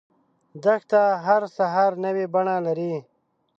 دښته هر سحر نوی بڼه لري.